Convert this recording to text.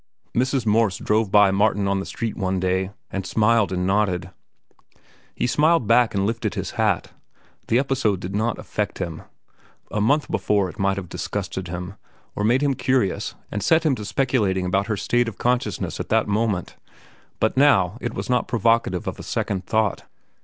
Mrs. Morse drove by Martin on the street one day, and smiled and nodded. He smiled back and lifted his hat. The episode did not affect him. A month before it might have disgusted him, or made him curious and set him to speculating about her state of consciousness at that moment. But now it was not provocative of a second thought.